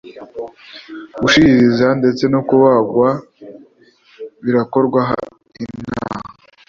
Gushiririza ndetse no Kubagwa birakorwa inaha